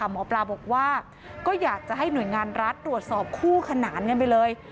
หมอปลาบอกว่าก็อยากจะให้หน่วยงานรัฐตรวจสอบคู่ขนานกันไปเลย